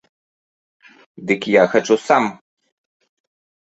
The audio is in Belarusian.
Дык я хачу сам.